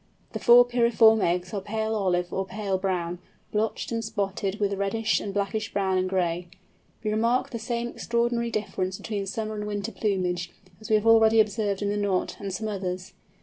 The four pyriform eggs are pale olive or pale brown, blotched and spotted with reddish and blackish brown and gray. We remark the same extraordinary difference between summer and winter plumage, as we have already observed in the Knot and some others.